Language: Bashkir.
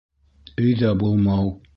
Өйҙә булмау